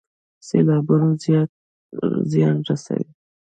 سیلابونه زیان رسوي